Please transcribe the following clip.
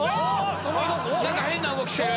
何か変な動きしてる。